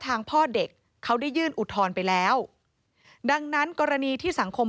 พ่อเด็กเขาได้ยื่นอุทธรณ์ไปแล้วดังนั้นกรณีที่สังคม